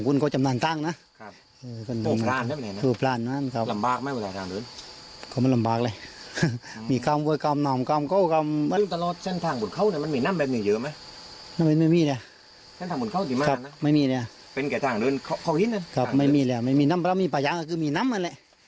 เป็นแก่ทางนึงครอบฮิ้นครับไม่มีแหละไม่มีน้ำแล้วมีป่าย้างก็คือมีน้ำอันนั้นแหละ